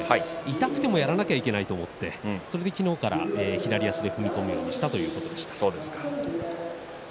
痛くてもやらなきゃいけないと思って、それで昨日から左足で踏み込むようにしたということでした。